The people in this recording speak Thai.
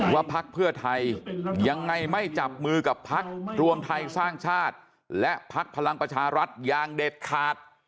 พักเพื่อไทยยังไงไม่จับมือกับพักรวมไทยสร้างชาติและพักพลังประชารัฐอย่างเด็ดขาด